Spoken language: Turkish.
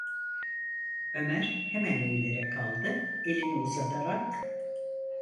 Ömer hemen eğilerek aldı, elini uzatarak: